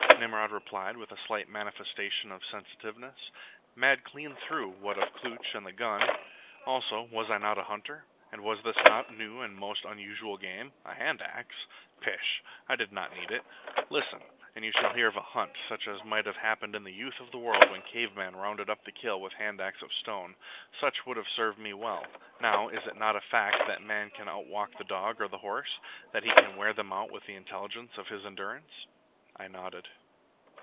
Nimrod replied, with a slight manifestation of sensitiveness. "Mad clean through, what of Klooch and the gun. Also, was I not a hunter? And was this not new and most unusual game? A hand axe? Pish! I did not need it. Listen, and you shall hear of a hunt, such as might have happened in the youth of the world when cavemen rounded up the kill with hand axe of stone. Such would have served me as well. Now is it not a fact that man can outwalk the dog or horse? That he can wear them out with the intelligence of his endurance?" I nodded.